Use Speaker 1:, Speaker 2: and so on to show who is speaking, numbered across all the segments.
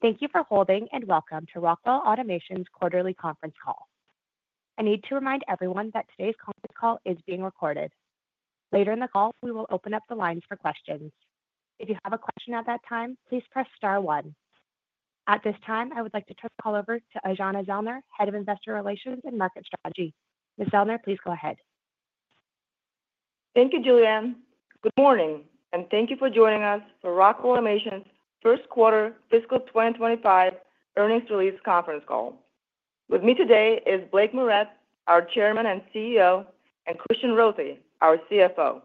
Speaker 1: Thank you for holding and welcome to Rockwell Automation's quarterly conference call. I need to remind everyone that today's conference call is being recorded. Later in the call, we will open up the lines for questions. If you have a question at that time, please press star one. At this time, I would like to turn the call over to Aijana Zellner, Head of Investor Relations and Market Strategy. Ms. Zellner, please go ahead.
Speaker 2: Thank you, Julianne. Good morning, and thank you for joining us for Rockwell Automation's first quarter fiscal 2025 earnings release conference call. With me today is Blake Moret, our Chairman and CEO, and Christian Rothe, our CFO.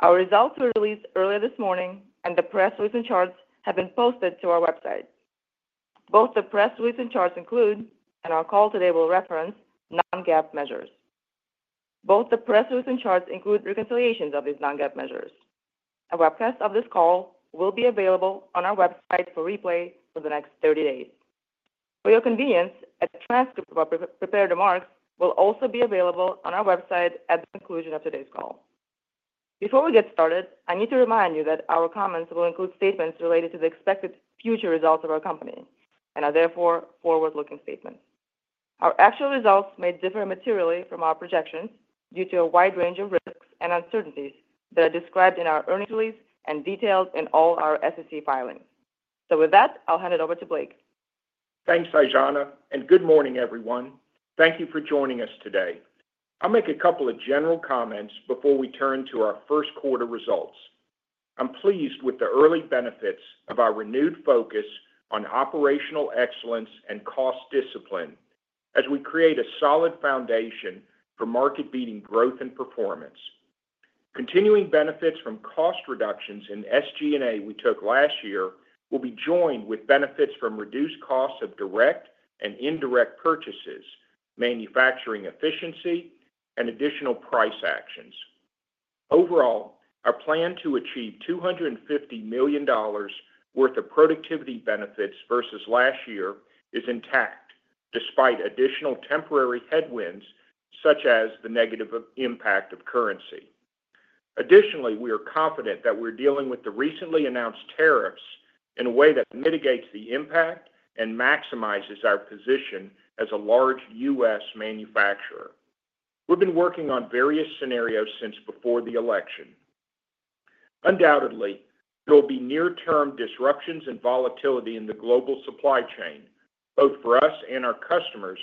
Speaker 2: Our results were released earlier this morning, and the press release and charts have been posted to our website. Both the press release and charts include, and our call today will reference, non-GAAP measures. Both the press release and charts include reconciliations of these non-GAAP measures. A webcast of this call will be available on our website for replay for the next 30 days. For your convenience, a transcript of our prepared remarks will also be available on our website at the conclusion of today's call. Before we get started, I need to remind you that our comments will include statements related to the expected future results of our company and are therefore forward-looking statements. Our actual results may differ materially from our projections due to a wide range of risks and uncertainties that are described in our earnings release and detailed in all our SEC filings. So with that, I'll hand it over to Blake.
Speaker 3: Thanks, Aijana, and good morning, everyone. Thank you for joining us today. I'll make a couple of general comments before we turn to our first quarter results. I'm pleased with the early benefits of our renewed focus on operational excellence and cost discipline as we create a solid foundation for market-beating growth and performance. Continuing benefits from cost reductions in SG&A we took last year will be joined with benefits from reduced costs of direct and indirect purchases, manufacturing efficiency, and additional price actions. Overall, our plan to achieve $250 million worth of productivity benefits versus last year is intact despite additional temporary headwinds such as the negative impact of currency. Additionally, we are confident that we're dealing with the recently announced tariffs in a way that mitigates the impact and maximizes our position as a large U.S. manufacturer. We've been working on various scenarios since before the election. Undoubtedly, there will be near-term disruptions and volatility in the global supply chain, both for us and our customers,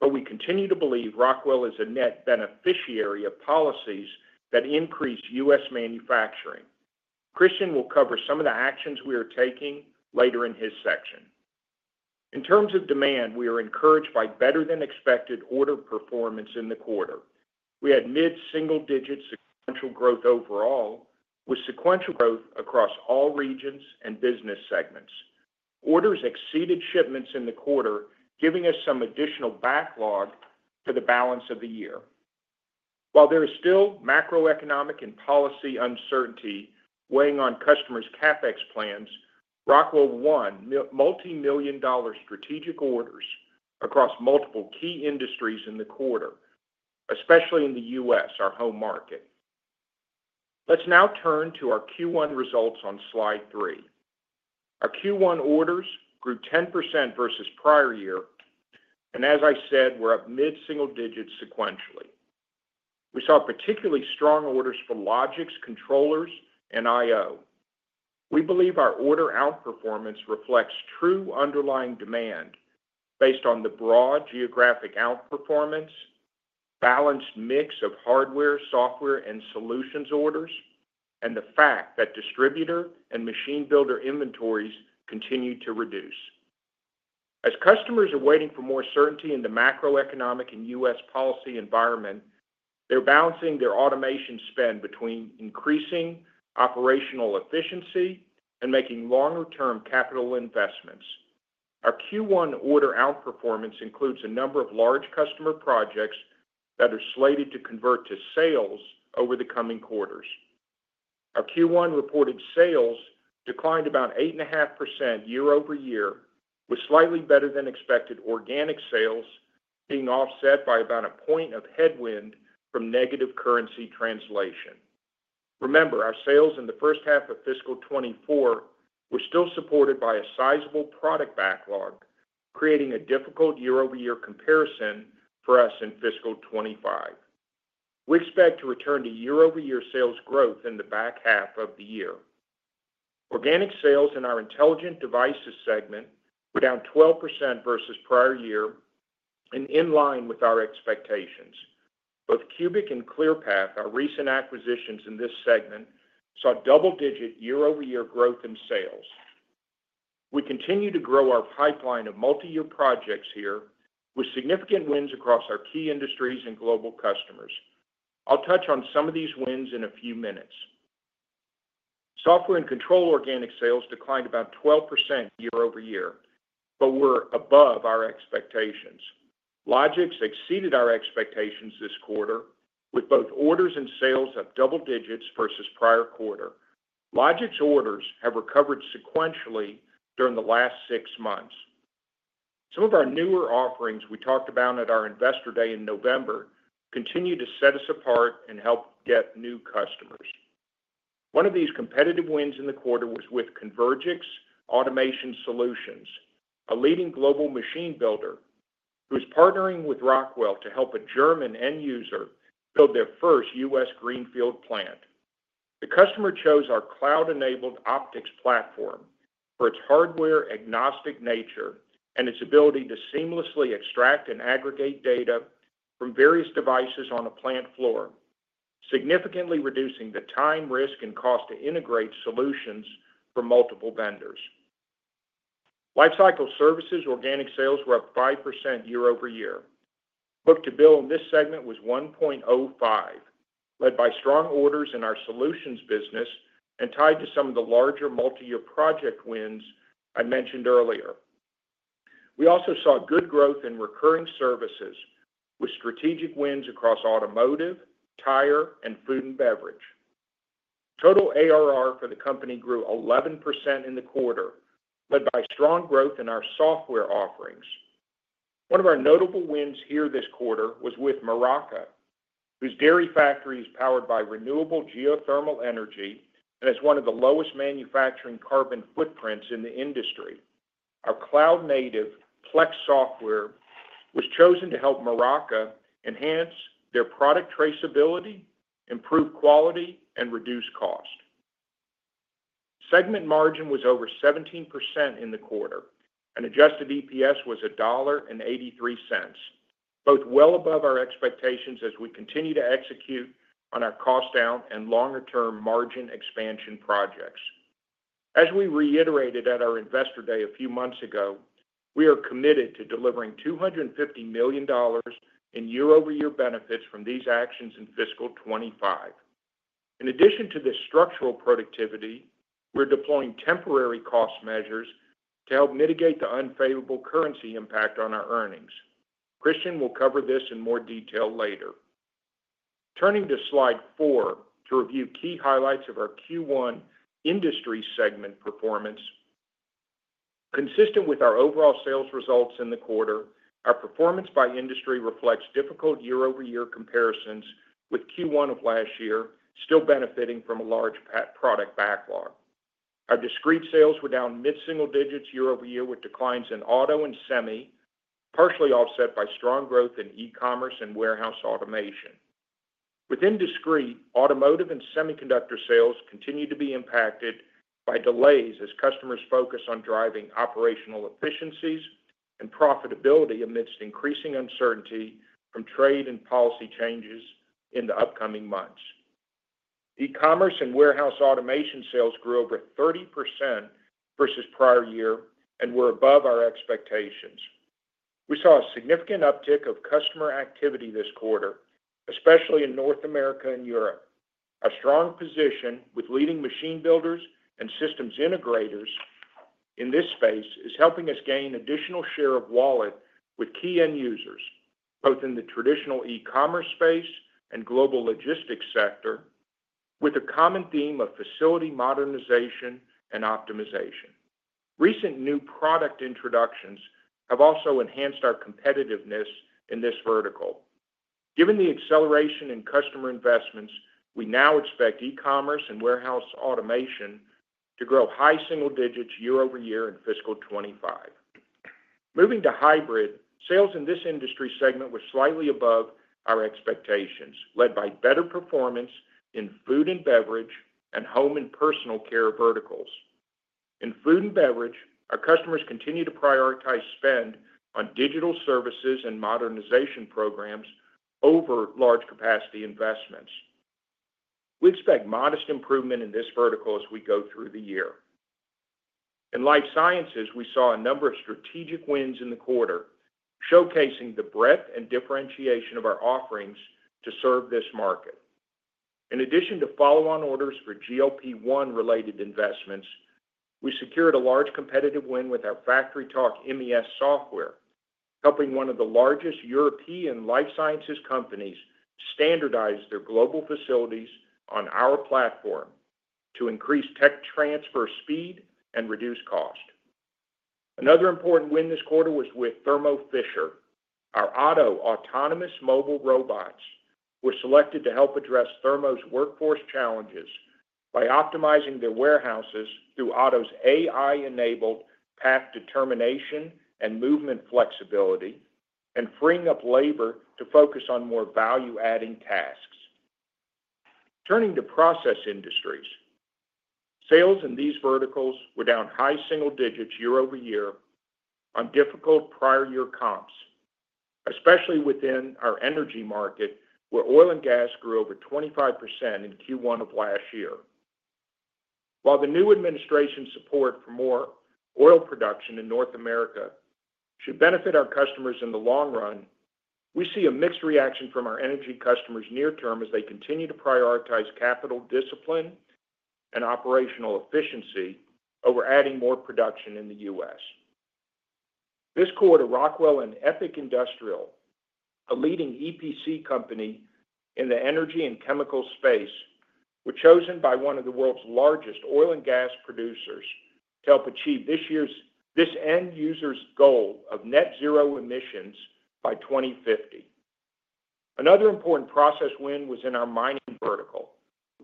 Speaker 3: but we continue to believe Rockwell is a net beneficiary of policies that increase U.S. manufacturing. Christian will cover some of the actions we are taking later in his section. In terms of demand, we are encouraged by better-than-expected order performance in the quarter. We had mid-single-digit sequential growth overall, with sequential growth across all regions and business segments. Orders exceeded shipments in the quarter, giving us some additional backlog to the balance of the year. While there is still macroeconomic and policy uncertainty weighing on customers' CapEx plans, Rockwell won multimillion-dollar strategic orders across multiple key industries in the quarter, especially in the U.S., our home market. Let's now turn to our Q1 results on slide three. Our Q1 orders grew 10% versus prior year, and as I said, we're up mid-single digits sequentially. We saw particularly strong orders for Logix, controllers, and I/O. We believe our order outperformance reflects true underlying demand based on the broad geographic outperformance, balanced mix of hardware, software, and solutions orders, and the fact that distributor and machine builder inventories continue to reduce. As customers are waiting for more certainty in the macroeconomic and U.S. policy environment, they're balancing their automation spend between increasing operational efficiency and making longer-term capital investments. Our Q1 order outperformance includes a number of large customer projects that are slated to convert to sales over the coming quarters. Our Q1 reported sales declined about 8.5% year-over-year, with slightly better-than-expected organic sales being offset by about a point of headwind from negative currency translation. Remember, our sales in the first half of fiscal 2024 were still supported by a sizable product backlog, creating a difficult year-over-year comparison for us in fiscal 2025. We expect to return to year-over-year sales growth in the back half of the year. Organic sales in our Intelligent Devices segment were down 12% versus prior year, and in line with our expectations. Both Cubic and Clearpath, our recent acquisitions in this segment, saw double-digit year-over-year growth in sales. We continue to grow our pipeline of multi-year projects here, with significant wins across our key industries and global customers. I'll touch on some of these wins in a few minutes. Software and Control organic sales declined about 12% year-over-year, but were above our expectations. Logix exceeded our expectations this quarter, with both orders and sales up double digits versus prior quarter. Logix orders have recovered sequentially during the last six months. Some of our newer offerings we talked about at our investor day in November continue to set us apart and help get new customers. One of these competitive wins in the quarter was with Convergix Automation Solutions, a leading global machine builder who is partnering with Rockwell to help a German end user build their first U.S. Greenfield plant. The customer chose our cloud-enabled Optix platform for its hardware-agnostic nature and its ability to seamlessly extract and aggregate data from various devices on a plant floor, significantly reducing the time, risk, and cost to integrate solutions from multiple vendors. Lifecycle services organic sales were up 5% year-over-year. Book-to-bill in this segment was 1.05, led by strong orders in our solutions business and tied to some of the larger multi-year project wins I mentioned earlier. We also saw good growth in recurring services, with strategic wins across automotive, tire, and food and beverage. Total ARR for the company grew 11% in the quarter, led by strong growth in our software offerings. One of our notable wins here this quarter was with Miraka, whose dairy factory is powered by renewable geothermal energy and has one of the lowest manufacturing carbon footprints in the industry. Our cloud-native Plex software was chosen to help Miraka enhance their product traceability, improve quality, and reduce cost. Segment margin was over 17% in the quarter, and adjusted EPS was $1.83, both well above our expectations as we continue to execute on our cost-down and longer-term margin expansion projects. As we reiterated at our investor day a few months ago, we are committed to delivering $250 million in year-over-year benefits from these actions in fiscal 2025. In addition to this structural productivity, we're deploying temporary cost measures to help mitigate the unfavorable currency impact on our earnings. Christian will cover this in more detail later. Turning to slide four to review key highlights of our Q1 industry segment performance. Consistent with our overall sales results in the quarter, our performance by industry reflects difficult year-over-year comparisons with Q1 of last year still benefiting from a large product backlog. Our discrete sales were down mid-single digits year-over-year with declines in auto and semi, partially offset by strong growth in e-commerce and warehouse automation. Within discrete, automotive and semiconductor sales continue to be impacted by delays as customers focus on driving operational efficiencies and profitability amidst increasing uncertainty from trade and policy changes in the upcoming months. E-commerce and warehouse automation sales grew over 30% versus prior year and were above our expectations. We saw a significant uptick of customer activity this quarter, especially in North America and Europe. Our strong position with leading machine builders and systems integrators in this space is helping us gain additional share of wallet with key end users, both in the traditional e-commerce space and global logistics sector, with a common theme of facility modernization and optimization. Recent new product introductions have also enhanced our competitiveness in this vertical. Given the acceleration in customer investments, we now expect e-commerce and warehouse automation to grow high single digits year-over-year in fiscal 2025. Moving to hybrid, sales in this industry segment were slightly above our expectations, led by better performance in food and beverage and home and personal care verticals. In food and beverage, our customers continue to prioritize spend on digital services and modernization programs over large capacity investments. We expect modest improvement in this vertical as we go through the year. In life sciences, we saw a number of strategic wins in the quarter, showcasing the breadth and differentiation of our offerings to serve this market. In addition to follow-on orders for GLP-1 related investments, we secured a large competitive win with our FactoryTalk MES software, helping one of the largest European life sciences companies standardize their global facilities on our platform to increase tech transfer speed and reduce cost. Another important win this quarter was with Thermo Fisher. Our OTTO autonomous mobile robots were selected to help address Thermo's workforce challenges by optimizing their warehouses through OTTO's AI-enabled path determination and movement flexibility and freeing up labor to focus on more value-adding tasks. Turning to process industries, sales in these verticals were down high single digits year-over-year on difficult prior year comps, especially within our energy market where oil and gas grew over 25% in Q1 of last year. While the new administration's support for more oil production in North America should benefit our customers in the long run, we see a mixed reaction from our energy customers near term as they continue to prioritize capital discipline and operational efficiency over adding more production in the U.S. This quarter, Rockwell and Epic Industrial, a leading EPC company in the energy and chemical space, were chosen by one of the world's largest oil and gas producers to help achieve this year's end user's goal of net zero emissions by 2050. Another important process win was in our mining vertical.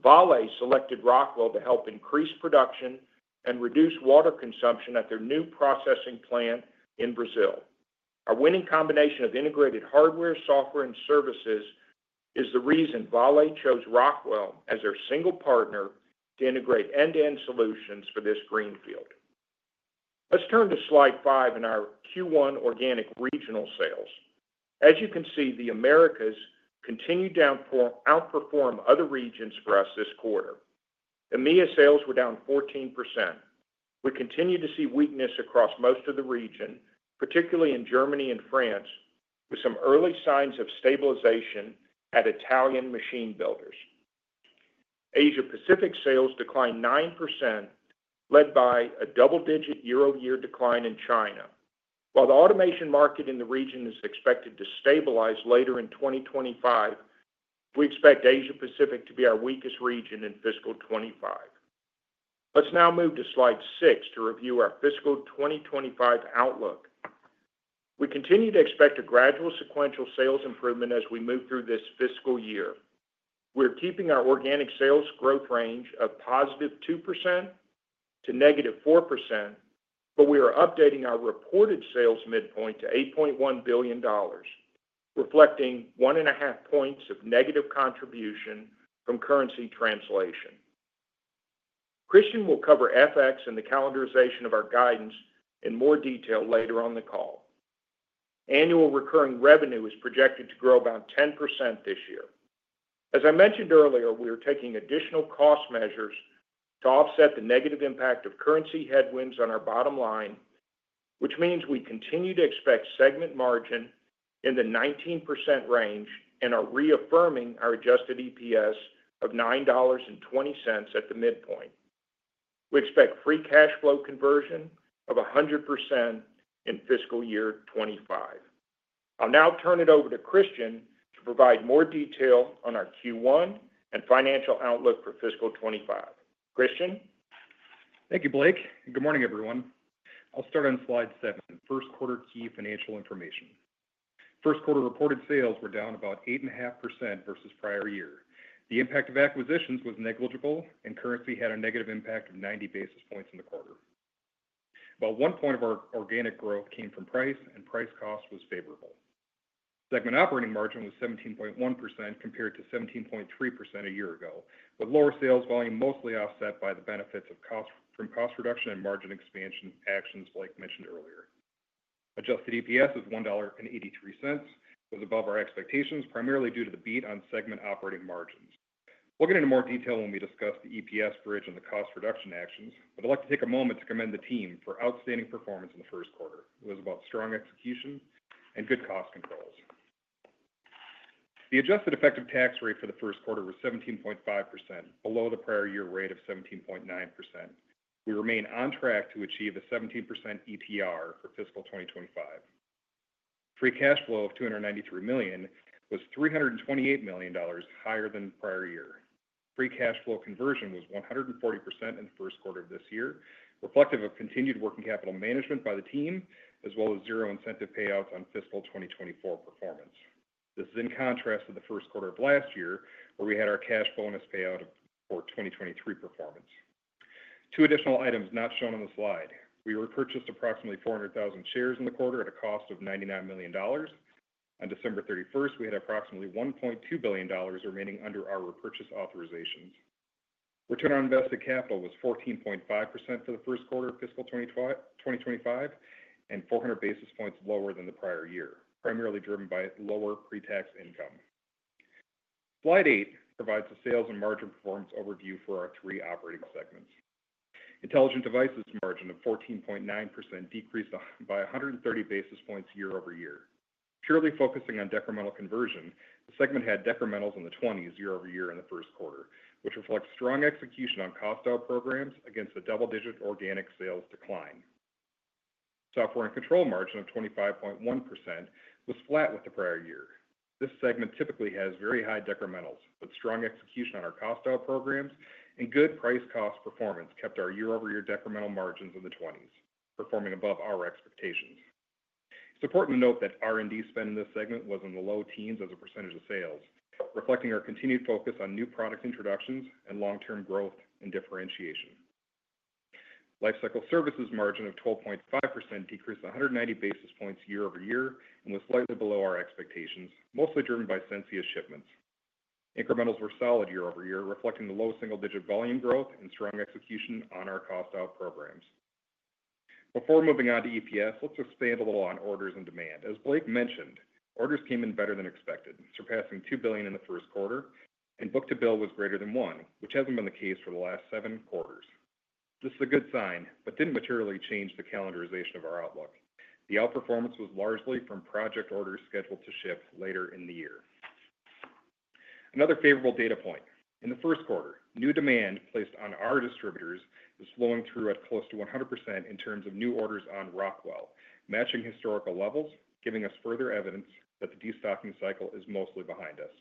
Speaker 3: Vale selected Rockwell to help increase production and reduce water consumption at their new processing plant in Brazil. Our winning combination of integrated hardware, software, and services is the reason Vale chose Rockwell as our single partner to integrate end-to-end solutions for this greenfield. Let's turn to slide five in our Q1 organic regional sales. As you can see, the Americas continue to outperform other regions for us this quarter. EMEA sales were down 14%. We continue to see weakness across most of the region, particularly in Germany and France, with some early signs of stabilization at Italian machine builders. Asia-Pacific sales declined 9%, led by a double-digit year-over-year decline in China. While the automation market in the region is expected to stabilize later in 2025, we expect Asia-Pacific to be our weakest region in fiscal 25. Let's now move to slide six to review our fiscal 2025 outlook. We continue to expect a gradual sequential sales improvement as we move through this fiscal year. We're keeping our organic sales growth range of positive 2% to negative 4%, but we are updating our reported sales midpoint to $8.1 billion, reflecting one and a half points of negative contribution from currency translation. Christian will cover FX and the calendarization of our guidance in more detail later on the call. Annual recurring revenue is projected to grow about 10% this year. As I mentioned earlier, we are taking additional cost measures to offset the negative impact of currency headwinds on our bottom line, which means we continue to expect segment margin in the 19% range and are reaffirming our adjusted EPS of $9.20 at the midpoint. We expect free cash flow conversion of 100% in fiscal year 2025. I'll now turn it over to Christian to provide more detail on our Q1 and financial outlook for fiscal 2025. Christian.
Speaker 4: Thank you, Blake. Good morning, everyone. I'll start on slide seven, first quarter key financial information. First quarter reported sales were down about 8.5% versus prior year. The impact of acquisitions was negligible, and currency had a negative impact of 90 basis points in the quarter. About one point of our organic growth came from price, and price cost was favorable. Segment operating margin was 17.1% compared to 17.3% a year ago, with lower sales volume mostly offset by the benefits of cost from cost reduction and margin expansion actions, like mentioned earlier. Adjusted EPS of $1.83 was above our expectations, primarily due to the beat on segment operating margins. We'll get into more detail when we discuss the EPS bridge and the cost reduction actions, but I'd like to take a moment to commend the team for outstanding performance in the first quarter. It was about strong execution and good cost controls. The adjusted effective tax rate for the first quarter was 17.5%, below the prior year rate of 17.9%. We remain on track to achieve a 17% ETR for fiscal 2025. Free cash flow of $293 million was $328 million, higher than prior year. Free cash flow conversion was 140% in the first quarter of this year, reflective of continued working capital management by the team, as well as zero incentive payouts on fiscal 2024 performance. This is in contrast to the first quarter of last year, where we had our cash bonus payout for 2023 performance. Two additional items not shown on the slide. We repurchased approximately 400,000 shares in the quarter at a cost of $99 million. On December 31st, we had approximately $1.2 billion remaining under our repurchase authorizations. Return on invested capital was 14.5% for the first quarter of fiscal 2025 and 400 basis points lower than the prior year, primarily driven by lower pre-tax income. Slide eight provides a sales and margin performance overview for our three operating segments. Intelligent Devices margin of 14.9% decreased by 130 basis points year-over-year. Purely focusing on decremental conversion, the segment had decrementals in the 20s year-over-year in the first quarter, which reflects strong execution on cost out programs against a double-digit organic sales decline. Software and Control margin of 25.1% was flat with the prior year. This segment typically has very high decrementals, but strong execution on our cost out programs and good price cost performance kept our year-over-year decremental margins in the 20s, performing above our expectations. It's important to note that R&D spend in this segment was in the low teens% of sales, reflecting our continued focus on new product introductions and long-term growth and differentiation. Lifecycle services margin of 12.5% decreased 190 basis points year-over-year and was slightly below our expectations, mostly driven by Sensia shipments. Incrementals were solid year-over-year, reflecting the low single-digit volume growth and strong execution on our cost out programs. Before moving on to EPS, let's expand a little on orders and demand. As Blake mentioned, orders came in better than expected, surpassing $2 billion in the first quarter, and book-to-bill was greater than one, which hasn't been the case for the last seven quarters. This is a good sign, but didn't materially change the calendarization of our outlook. The outperformance was largely from project orders scheduled to ship later in the year. Another favorable data point. In the first quarter, new demand placed on our distributors is flowing through at close to 100% in terms of new orders on Rockwell, matching historical levels, giving us further evidence that the destocking cycle is mostly behind us.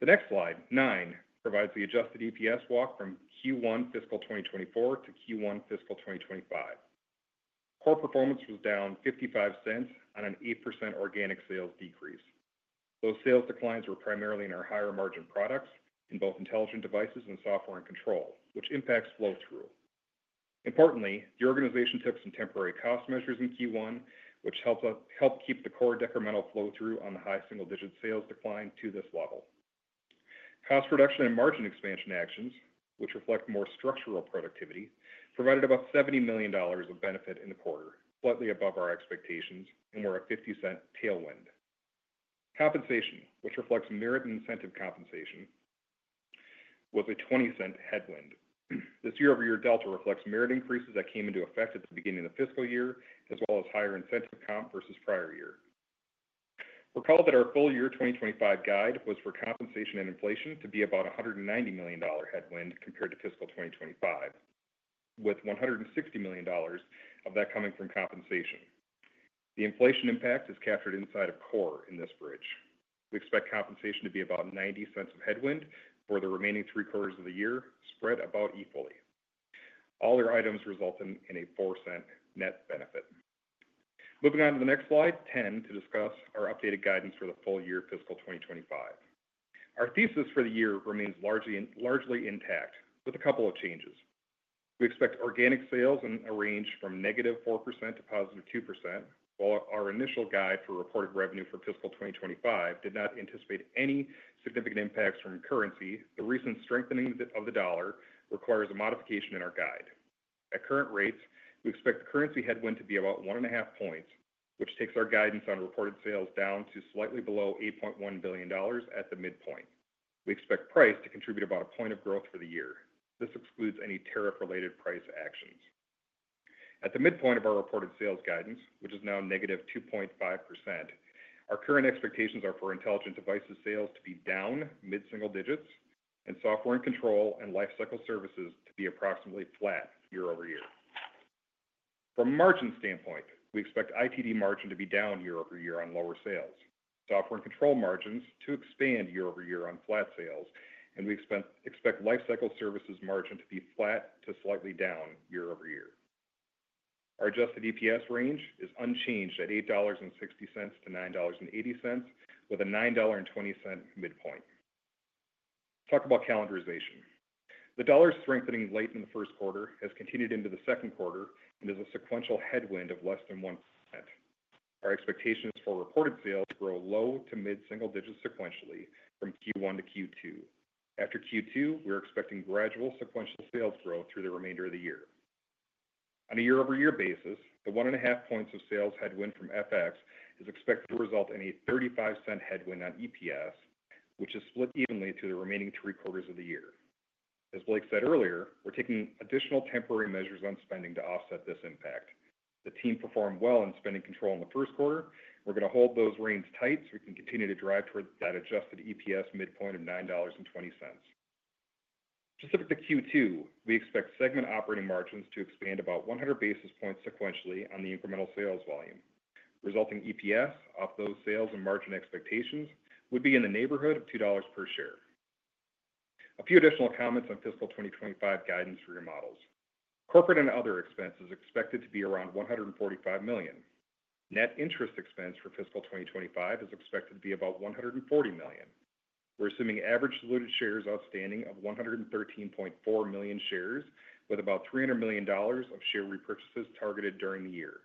Speaker 4: The next slide, nine, provides the adjusted EPS walk from Q1 fiscal 2024 to Q1 fiscal 2025. Core performance was down $0.55 on an 8% organic sales decrease. Those sales declines were primarily in our higher margin products in both Intelligent Devices and Software and Control, which impacts flow-through. Importantly, the organization took some temporary cost measures in Q1, which helped keep the core decremental flow-through on the high single-digit sales decline to this level. Cost reduction and margin expansion actions, which reflect more structural productivity, provided about $70 million of benefit in the quarter, slightly above our expectations and were a $0.50 tailwind. Compensation, which reflects merit and incentive compensation, was a $0.20 headwind. This year-over-year delta reflects merit increases that came into effect at the beginning of the fiscal year, as well as higher incentive comp versus prior year. Recall that our full year 2025 guide was for compensation and inflation to be about $190 million headwind compared to fiscal 2025, with $160 million of that coming from compensation. The inflation impact is captured inside of core in this bridge. We expect compensation to be about $0.90 of headwind for the remaining three quarters of the year, spread about equally. All their items result in a $0.04 net benefit. Moving on to the next slide, 10, to discuss our updated guidance for the full year fiscal 2025. Our thesis for the year remains largely intact, with a couple of changes. We expect organic sales in a range from -4% to +2%. While our initial guide for reported revenue for fiscal 2025 did not anticipate any significant impacts from currency, the recent strengthening of the dollar requires a modification in our guide. At current rates, we expect the currency headwind to be about one and a half points, which takes our guidance on reported sales down to slightly below $8.1 billion at the midpoint. We expect price to contribute about a point of growth for the year. This excludes any tariff-related price actions. At the midpoint of our reported sales guidance, which is now -2.5%, our current expectations are for Intelligent Devices sales to be down mid-single digits and Software and Control and lifecycle services to be approximately flat year-over-year. From a margin standpoint, we expect ITD margin to be down year-over-year on lower sales, Software and Control margins to expand year-over-year on flat sales, and we expect lifecycle services margin to be flat to slightly down year-over-year. Our adjusted EPS range is unchanged at $8.60-$9.80, with a $9.20 midpoint. Talk about calendarization. The dollar strengthening late in the first quarter has continued into the second quarter and is a sequential headwind of less than 1%. Our expectation is for reported sales to grow low to mid-single digits sequentially from Q1 to Q2. After Q2, we're expecting gradual sequential sales growth through the remainder of the year. On a year-over-year basis, the one and a half points of sales headwind from FX is expected to result in a $0.35 headwind on EPS, which is split evenly through the remaining three quarters of the year. As Blake said earlier, we're taking additional temporary measures on spending to offset this impact. The team performed well in spending control in the first quarter. We're going to hold those reins tight so we can continue to drive toward that adjusted EPS midpoint of $9.20. Specific to Q2, we expect segment operating margins to expand about 100 basis points sequentially on the incremental sales volume. Resulting EPS off those sales and margin expectations would be in the neighborhood of $2 per share. A few additional comments on fiscal 2025 guidance for your models. Corporate and other expenses are expected to be around $145 million. Net interest expense for fiscal 2025 is expected to be about $140 million. We're assuming average diluted shares outstanding of 113.4 million shares, with about $300 million of share repurchases targeted during the year.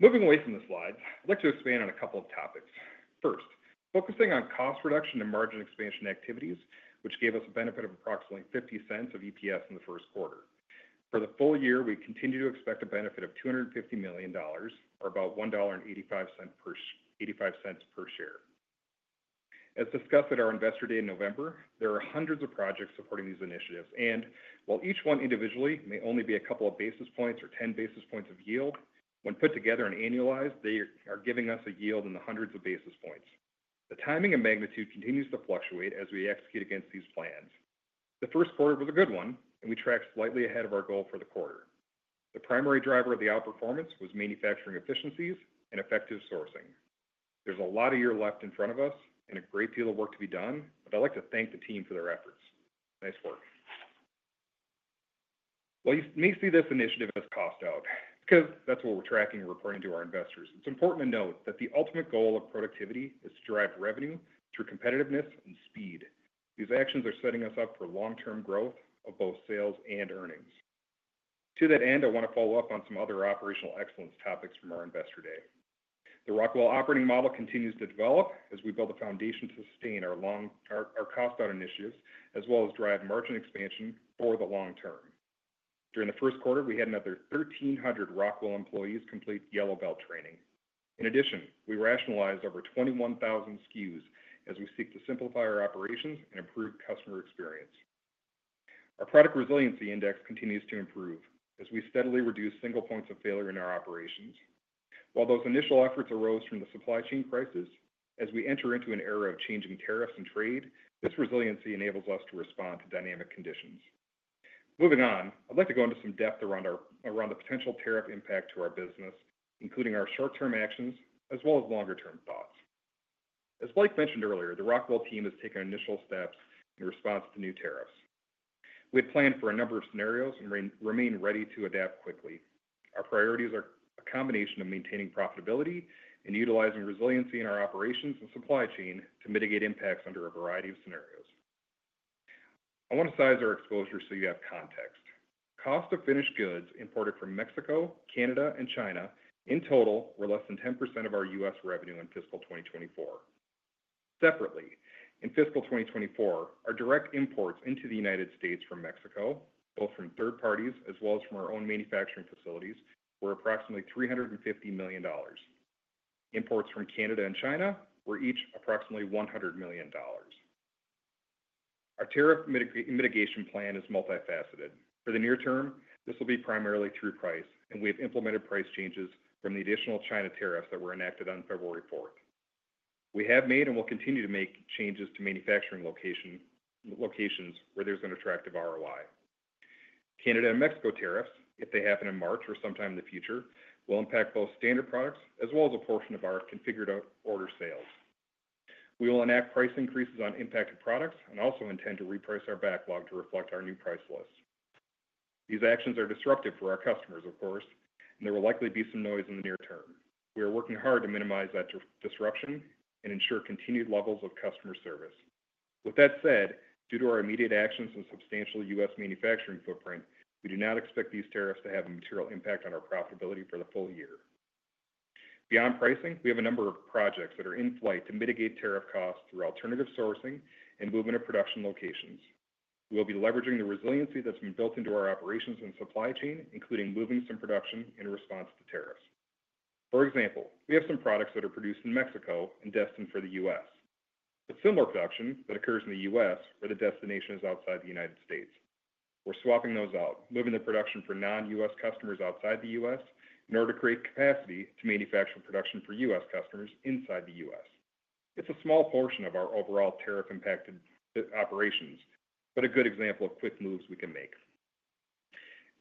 Speaker 4: Moving away from the slides, I'd like to expand on a couple of topics. First, focusing on cost reduction and margin expansion activities, which gave us a benefit of approximately $0.50 of EPS in the first quarter. For the full year, we continue to expect a benefit of $250 million, or about $1.85 per share. As discussed at our investor day in November, there are hundreds of projects supporting these initiatives. While each one individually may only be a couple of basis points or 10 basis points of yield, when put together and annualized, they are giving us a yield in the hundreds of basis points. The timing and magnitude continues to fluctuate as we execute against these plans. The first quarter was a good one, and we tracked slightly ahead of our goal for the quarter. The primary driver of the outperformance was manufacturing efficiencies and effective sourcing. There's a lot of year left in front of us and a great deal of work to be done, but I'd like to thank the team for their efforts. Nice work. You may see this initiative as cost out because that's what we're tracking and reporting to our investors. It's important to note that the ultimate goal of productivity is to drive revenue through competitiveness and speed. These actions are setting us up for long-term growth of both sales and earnings. To that end, I want to follow up on some other operational excellence topics from our investor day. The Rockwell operating model continues to develop as we build a foundation to sustain our cost out initiatives, as well as drive margin expansion for the long term. During the first quarter, we had another 1,300 Rockwell employees complete Yellow Belt training. In addition, we rationalized over 21,000 SKUs as we seek to simplify our operations and improve customer experience. Our product resiliency index continues to improve as we steadily reduce single points of failure in our operations. While those initial efforts arose from the supply chain crisis, as we enter into an era of changing tariffs and trade, this resiliency enables us to respond to dynamic conditions. Moving on, I'd like to go into some depth around the potential tariff impact to our business, including our short-term actions, as well as longer-term thoughts. As Blake mentioned earlier, the Rockwell team has taken initial steps in response to new tariffs. We had planned for a number of scenarios and remain ready to adapt quickly. Our priorities are a combination of maintaining profitability and utilizing resiliency in our operations and supply chain to mitigate impacts under a variety of scenarios. I want to size our exposure so you have context. Cost of finished goods imported from Mexico, Canada, and China in total were less than 10% of our U.S. revenue in fiscal 2024. Separately, in fiscal 2024, our direct imports into the United States from Mexico, both from third parties as well as from our own manufacturing facilities, were approximately $350 million. Imports from Canada and China were each approximately $100 million. Our tariff mitigation plan is multifaceted. For the near term, this will be primarily through price, and we have implemented price changes from the additional China tariffs that were enacted on February 4th. We have made and will continue to make changes to manufacturing locations where there's an attractive ROI. Canada and Mexico tariffs, if they happen in March or sometime in the future, will impact both standard products as well as a portion of our configured order sales. We will enact price increases on impacted products and also intend to reprice our backlog to reflect our new price list. These actions are disruptive for our customers, of course, and there will likely be some noise in the near term. We are working hard to minimize that disruption and ensure continued levels of customer service. With that said, due to our immediate actions and substantial U.S. manufacturing footprint, we do not expect these tariffs to have a material impact on our profitability for the full year. Beyond pricing, we have a number of projects that are in flight to mitigate tariff costs through alternative sourcing and movement of production locations. We will be leveraging the resiliency that's been built into our operations and supply chain, including moving some production in response to tariffs. For example, we have some products that are produced in Mexico and destined for the U.S., but similar production that occurs in the U.S. where the destination is outside the United States. We're swapping those out, moving the production for non-U.S. customers outside the U.S. in order to create capacity to manufacture production for U.S. customers inside the U.S. It's a small portion of our overall tariff-impacted operations, but a good example of quick moves we can make.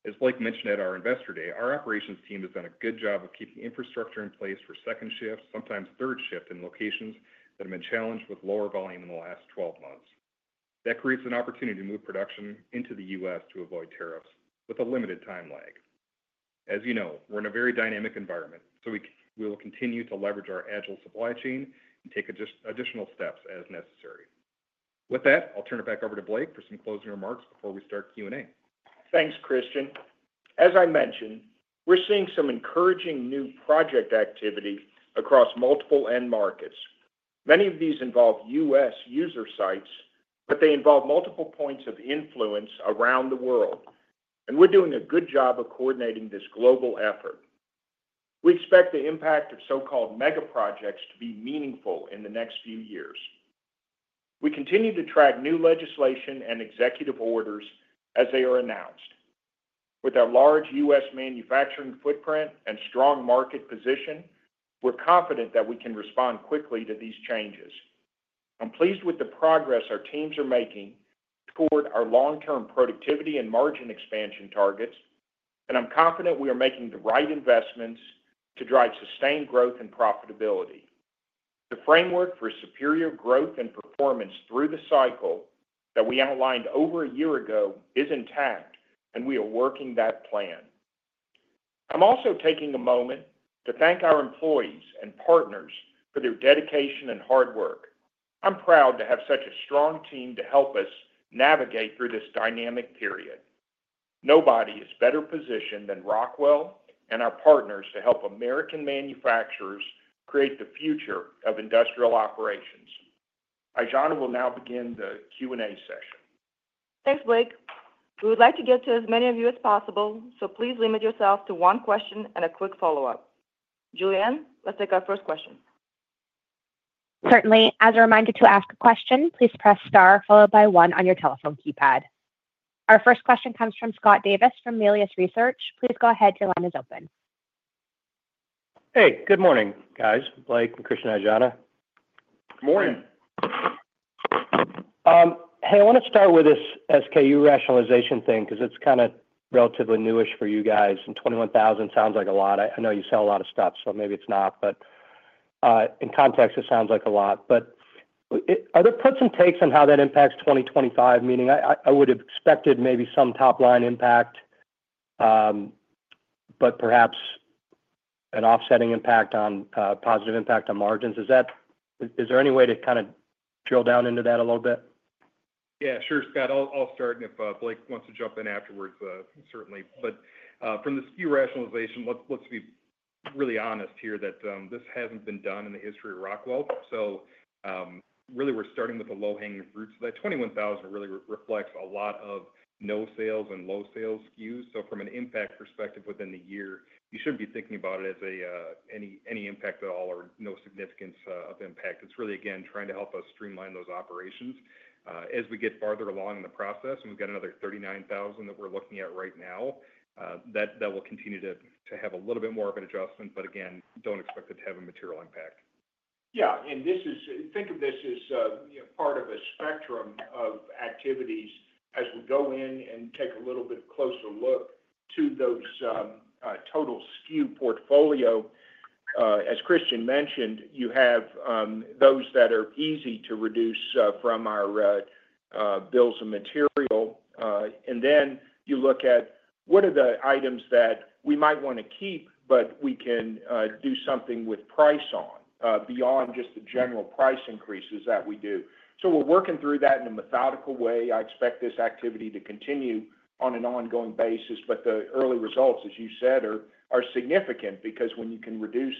Speaker 4: As Blake mentioned at our investor day, our operations team has done a good job of keeping infrastructure in place for second shift, sometimes third shift in locations that have been challenged with lower volume in the last 12 months. That creates an opportunity to move production into the U.S. to avoid tariffs with a limited time lag. As you know, we're in a very dynamic environment, so we will continue to leverage our agile supply chain and take additional steps as necessary. With that, I'll turn it back over to Blake for some closing remarks before we start Q&A.
Speaker 3: Thanks, Christian. As I mentioned, we're seeing some encouraging new project activity across multiple end markets. Many of these involve U.S. user sites, but they involve multiple points of influence around the world, and we're doing a good job of coordinating this global effort. We expect the impact of so-called mega projects to be meaningful in the next few years. We continue to track new legislation and executive orders as they are announced. With our large U.S. manufacturing footprint and strong market position, we're confident that we can respond quickly to these changes. I'm pleased with the progress our teams are making toward our long-term productivity and margin expansion targets, and I'm confident we are making the right investments to drive sustained growth and profitability. The framework for superior growth and performance through the cycle that we outlined over a year ago is intact, and we are working that plan. I'm also taking a moment to thank our employees and partners for their dedication and hard work. I'm proud to have such a strong team to help us navigate through this dynamic period. Nobody is better positioned than Rockwell and our partners to help American manufacturers create the future of industrial operations. Aijana will now begin the Q&A session.
Speaker 2: Thanks, Blake. We would like to get to as many of you as possible, so please limit yourself to one question and a quick follow-up. Julianne, let's take our first question.
Speaker 1: Certainly. As a reminder to ask a question, please press star followed by one on your telephone keypad. Our first question comes from Scott Davis from Melius Research. Please go ahead. Your line is open.
Speaker 5: Hey, good morning, guys. Blake and Christian, Aijana. Good morning. Hey, I want to start with this SKU rationalization thing because it's kind of relatively newish for you guys, and 21,000 sounds like a lot. I know you sell a lot of stuff, so maybe it's not, but in context, it sounds like a lot. But are there perks and takes on how that impacts 2025? Meaning, I would have expected maybe some top-line impact, but perhaps an offsetting impact on positive impact on margins. Is there any way to kind of drill down into that a little bit?
Speaker 4: Yeah, sure, Scott. I'll start, and if Blake wants to jump in afterwards, certainly. But from the SKU rationalization, let's be really honest here that this hasn't been done in the history of Rockwell. So really, we're starting with the low-hanging fruits. That 21,000 really reflects a lot of no sales and low sales SKUs. So from an impact perspective within the year, you shouldn't be thinking about it as any impact at all or no significance of impact. It's really, again, trying to help us streamline those operations. As we get farther along in the process, and we've got another 39,000 that we're looking at right now, that will continue to have a little bit more of an adjustment, but again, don't expect it to have a material impact.
Speaker 3: Yeah. And think of this as part of a spectrum of activities as we go in and take a little bit closer look to those total SKU portfolio. As Christian mentioned, you have those that are easy to reduce from our bills of material. And then you look at what are the items that we might want to keep, but we can do something with price on beyond just the general price increases that we do. So we're working through that in a methodical way. I expect this activity to continue on an ongoing basis, but the early results, as you said, are significant because when you can reduce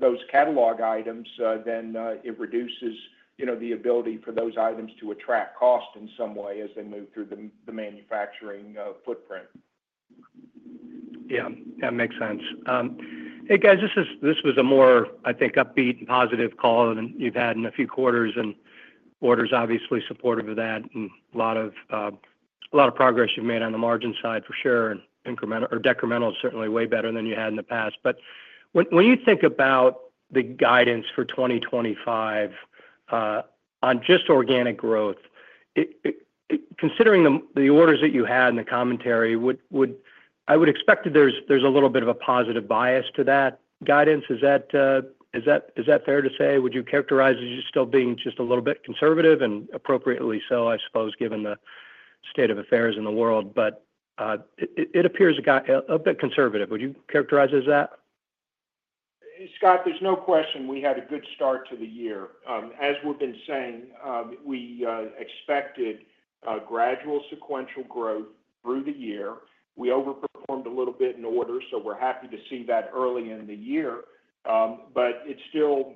Speaker 3: those catalog items, then it reduces the ability for those items to attract cost in some way as they move through the manufacturing footprint.
Speaker 5: Yeah. That makes sense. Hey, guys, this was a more, I think, upbeat and positive call than you've had in a few quarters, and orders obviously supportive of that, and a lot of progress you've made on the margin side for sure, and incremental or decremental is certainly way better than you had in the past. But when you think about the guidance for 2025 on just organic growth, considering the orders that you had and the commentary, I would expect that there's a little bit of a positive bias to that guidance. Is that fair to say? Would you characterize as you still being just a little bit conservative, and appropriately so, I suppose, given the state of affairs in the world, but it appears a bit conservative. Would you characterize as that?
Speaker 3: Scott, there's no question we had a good start to the year. As we've been saying, we expected gradual sequential growth through the year. We overperformed a little bit in order, so we're happy to see that early in the year, but it still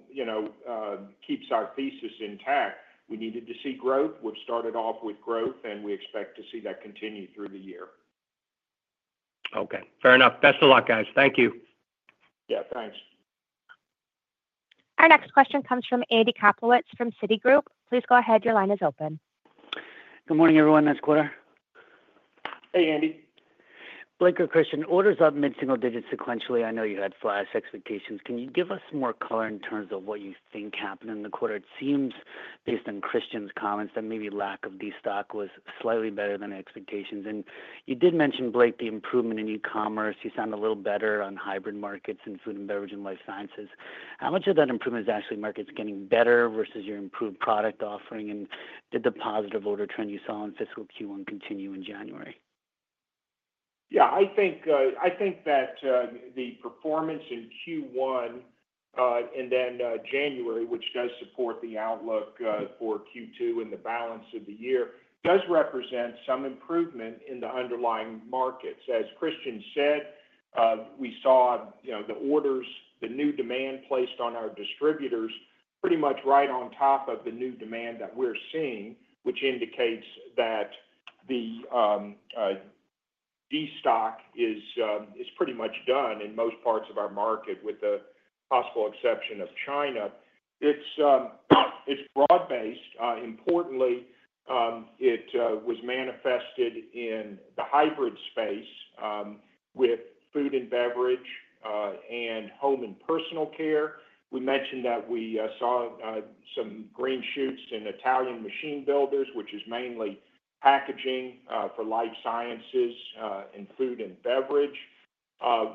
Speaker 3: keeps our thesis intact. We needed to see growth. We've started off with growth, and we expect to see that continue through the year.
Speaker 5: Okay. Fair enough. Best of luck, guys. Thank you.
Speaker 3: Yeah. Thanks.
Speaker 1: Our next question comes from Andy Kaplowitz from Citigroup. Please go ahead. Your line is open.
Speaker 6: Good morning, everyone. Next quarter.
Speaker 3: Hey, Andy.
Speaker 6: Blake or Christian, orders up mid-single digits sequentially. I know you had flesh expectations. Can you give us more color in terms of what you think happened in the quarter? It seems, based on Christian's comments, that maybe lack of destocking was slightly better than expectations. And you did mention, Blake, the improvement in e-commerce. You sound a little better on hybrid markets and food and beverage and life sciences. How much of that improvement is actually markets getting better versus your improved product offering? And did the positive order trend you saw in fiscal Q1 continue in January?
Speaker 3: Yeah. I think that the performance in Q1 and then January, which does support the outlook for Q2 and the balance of the year, does represent some improvement in the underlying markets. As Christian said, we saw the orders, the new demand placed on our distributors pretty much right on top of the new demand that we're seeing, which indicates that the destock is pretty much done in most parts of our market, with the possible exception of China. It's broad-based. Importantly, it was manifested in the hybrid space with food and beverage and home and personal care. We mentioned that we saw some green shoots in Italian machine builders, which is mainly packaging for life sciences and food and beverage.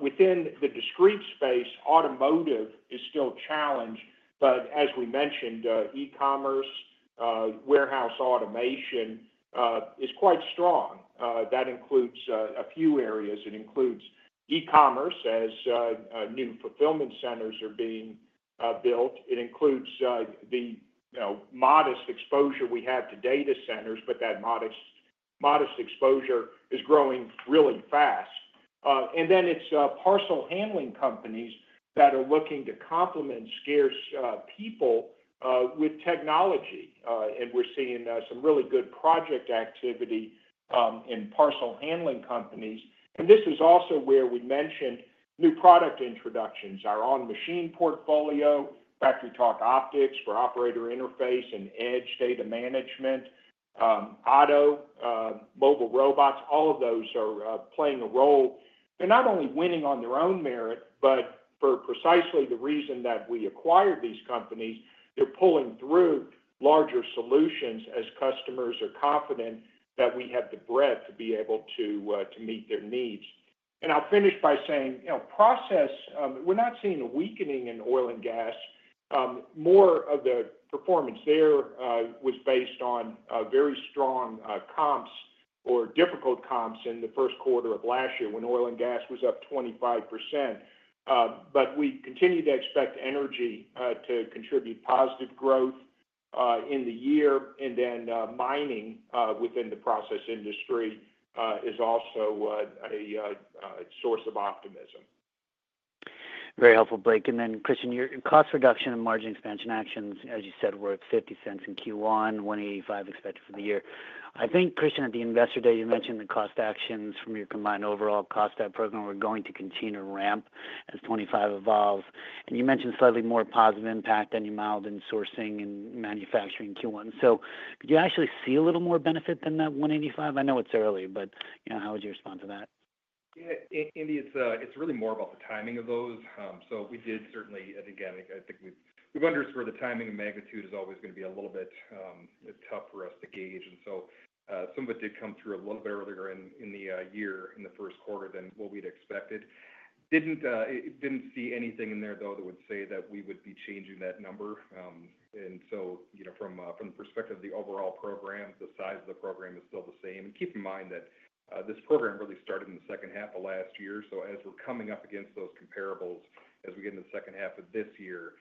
Speaker 3: Within the discrete space, automotive is still challenged, but as we mentioned, e-commerce, warehouse automation is quite strong. That includes a few areas. It includes e-commerce as new fulfillment centers are being built. It includes the modest exposure we have to data centers, but that modest exposure is growing really fast. And then it's parcel handling companies that are looking to complement scarce people with technology. And we're seeing some really good project activity in parcel handling companies. And this is also where we mentioned new product introductions. Our on-machine portfolio, FactoryTalk Optix for operator interface and edge data management, OTTO mobile robots, all of those are playing a role. They're not only winning on their own merit, but for precisely the reason that we acquired these companies, they're pulling through larger solutions as customers are confident that we have the breadth to be able to meet their needs. And I'll finish by saying process, we're not seeing a weakening in oil and gas. More of the performance there was based on very strong comps or difficult comps in the first quarter of last year when oil and gas was up 25%. But we continue to expect energy to contribute positive growth in the year, and then mining within the process industry is also a source of optimism.
Speaker 6: Very helpful, Blake. And then, Christian, your cost reduction and margin expansion actions, as you said, were at $0.50 in Q1, $1.85 expected for the year. I think, Christian, at the investor day, you mentioned the cost actions from your combined overall cost add program were going to continue to ramp as 2025 evolves. And you mentioned slightly more positive impact on your mix and sourcing and manufacturing in Q1. So could you actually see a little more benefit than that $1.85? I know it's early, but how would you respond to that?
Speaker 4: Yeah. Andy, it's really more about the timing of those. So we did certainly, and again, I think we've understood the timing and magnitude is always going to be a little bit tough for us to gauge. And so some of it did come through a little bit earlier in the year in the first quarter than what we'd expected. Didn't see anything in there, though, that would say that we would be changing that number. And so from the perspective of the overall program, the size of the program is still the same. And keep in mind that this program really started in the second half of last year. So as we're coming up against those comparables, as we get into the second half of this year,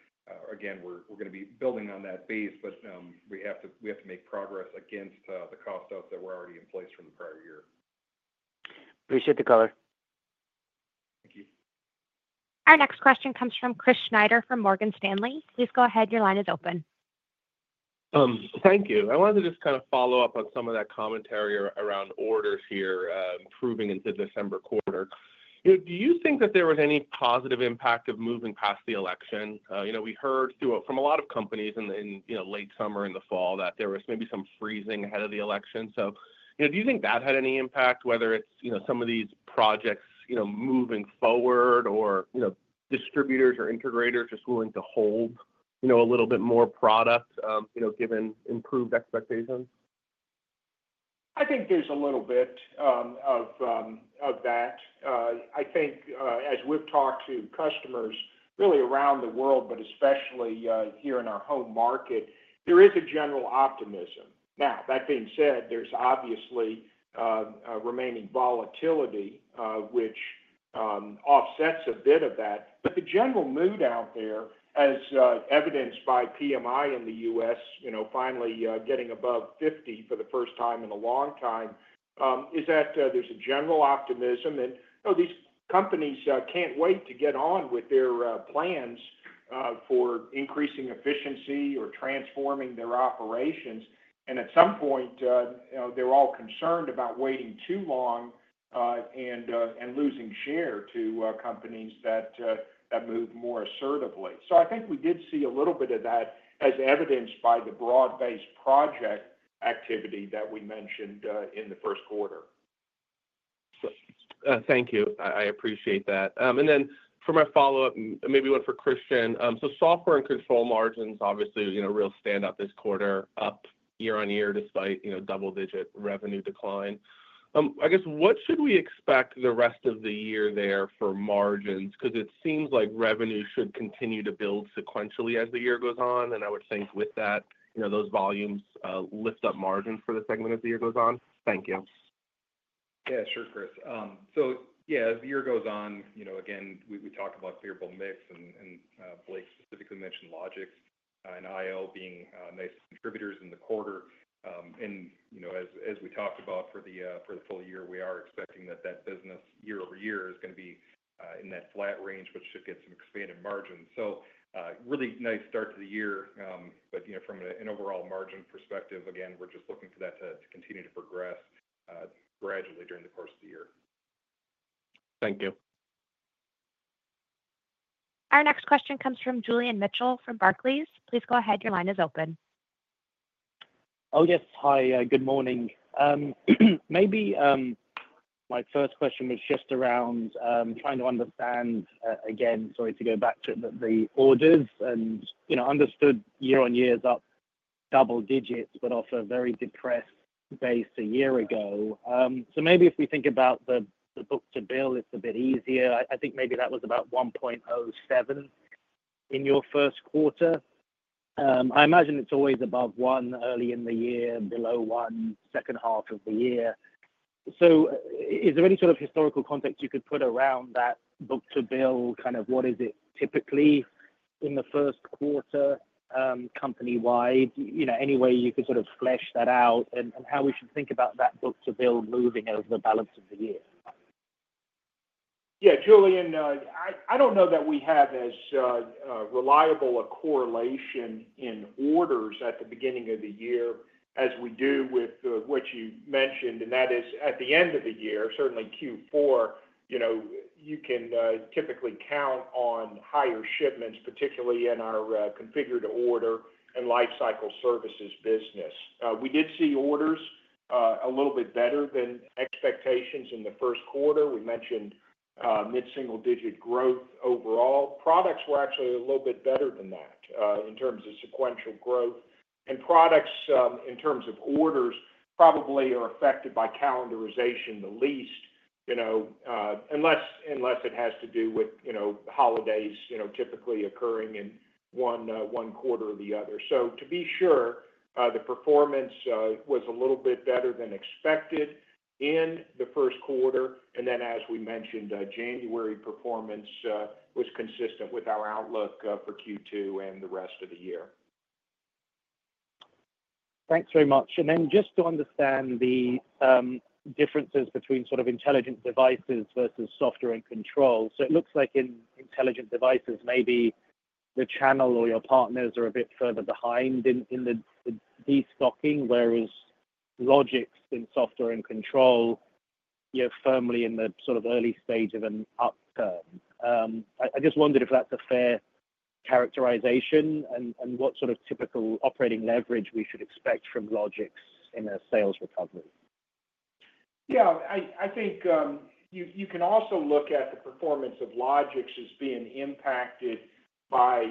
Speaker 4: again, we're going to be building on that base, but we have to make progress against the cost outs that were already in place from the prior year.
Speaker 6: Appreciate the color.
Speaker 4: Thank you.
Speaker 1: Our next question comes from Chris Snyder from Morgan Stanley. Please go ahead. Your line is open.
Speaker 7: Thank you. I wanted to just kind of follow up on some of that commentary around orders here improving into the December quarter. Do you think that there was any positive impact of moving past the election? We heard from a lot of companies in late summer and the fall that there was maybe some freezing ahead of the election. So do you think that had any impact, whether it's some of these projects moving forward or distributors or integrators just willing to hold a little bit more product given improved expectations?
Speaker 1: I think there's a little bit of that. I think as we've talked to customers really around the world, but especially here in our home market, there is a general optimism. Now, that being said, there's obviously remaining volatility, which offsets a bit of that. But the general mood out there, as evidenced by PMI in the U.S. finally getting above 50 for the first time in a long time, is that there's a general optimism. And these companies can't wait to get on with their plans for increasing efficiency or transforming their operations. And at some point, they're all concerned about waiting too long and losing share to companies that move more assertively. So I think we did see a little bit of that as evidenced by the broad-based project activity that we mentioned in the first quarter.
Speaker 7: Thank you. I appreciate that. And then for my follow-up, maybe one for Christian. So Software and Control margins, obviously, really stand out this quarter, up year on year despite double-digit revenue decline. I guess, what should we expect the rest of the year there for margins? Because it seems like revenue should continue to build sequentially as the year goes on. And I would think with that, those volumes lift up margins for the segment as the year goes on. Thank you.
Speaker 4: Yeah, sure, Chris. So yeah, as the year goes on, again, we talked about favorable mix, and Blake specifically mentioned Logix and IO being nice contributors in the quarter. And as we talked about for the full year, we are expecting that the business year-over-year is going to be in that flat range, which should get some expanded margins. So really nice start to the year. But from an overall margin perspective, again, we're just looking for that to continue to progress gradually during the course of the year.
Speaker 7: Thank you.
Speaker 1: Our next question comes from Julian Mitchell from Barclays. Please go ahead. Your line is open.
Speaker 8: Oh, yes. Hi. Good morning. Maybe my first question was just around trying to understand, again, sorry to go back to the orders, and understood year on year is up double digits, but off a very depressed base a year ago. So maybe if we think about the book to bill, it's a bit easier. I think maybe that was about 1.07 in your first quarter. I imagine it's always above one early in the year, below one second half of the year. So is there any sort of historical context you could put around that book-to-bill, kind of what is it typically in the first quarter company-wide, any way you could sort of flesh that out, and how we should think about that book-to-bill moving over the balance of the year?
Speaker 3: Yeah. Julian, I don't know that we have as reliable a correlation in orders at the beginning of the year as we do with what you mentioned, and that is at the end of the year, certainly Q4, you can typically count on higher shipments, particularly in our configured order and Lifecycle services business. We did see orders a little bit better than expectations in the first quarter. We mentioned mid-single-digit growth overall. Products were actually a little bit better than that in terms of sequential growth. And products in terms of orders probably are affected by calendarization the least, unless it has to do with holidays typically occurring in one quarter or the other. So to be sure, the performance was a little bit better than expected in the first quarter. And then, as we mentioned, January performance was consistent with our outlook for Q2 and the rest of the year.
Speaker 8: Thanks very much. And then just to understand the differences between sort of Intelligent Devices versus Software and Control. So it looks like in Intelligent Devices, maybe the channel or your partners are a bit further behind in the destocking, whereas Logix in Software and Control you're firmly in the sort of early stage of an upturn. I just wondered if that's a fair characterization and what sort of typical operating leverage we should expect from Logix in a sales recovery.
Speaker 3: Yeah. I think you can also look at the performance of Logix as being impacted by